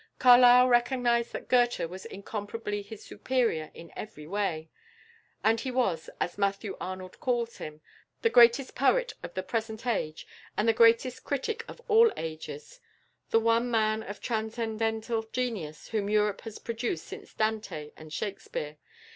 Carlyle recognised that Goethe was incomparably his superior in every way; that he was, as Matthew Arnold calls him, "the greatest poet of the present age, and the greatest critic of all ages," the one man of transcendent genius whom Europe has produced since Dante and Shakspere.